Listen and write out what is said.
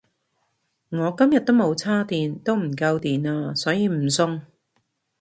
我今日都冇叉電都唔夠電呀所以唔送